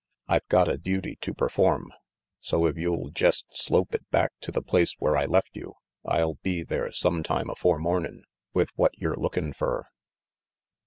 I've got a duty to perform, so if you'll jest slope it back to the place where I left you, I'll be there sumtime afore mornin' with what yer looking fer."